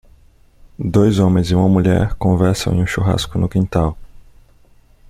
Dois homens e uma mulher conversam em um churrasco no quintal.